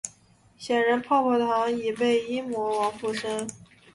显然泡泡糖已被阴魔王附身。